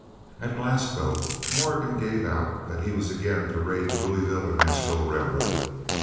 At Glasgow Morgan gave out that he was again to raid the Louisville and Nashville Railroad.